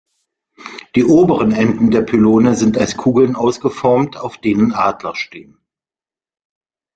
Die oberen Enden der Pylone sind als Kugeln ausgeformt, auf denen Adler stehen.